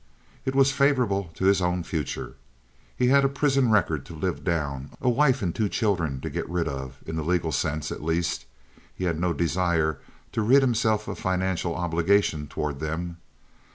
It was favorable to his own future. He had a prison record to live down; a wife and two children to get rid of—in the legal sense, at least (he had no desire to rid himself of financial obligation toward them).